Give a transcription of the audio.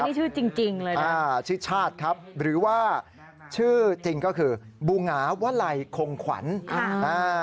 นี่ชื่อจริงจริงเลยนะอ่าชื่อชาติครับหรือว่าชื่อจริงก็คือบูหงาวลัยคงขวัญอ่าอ่า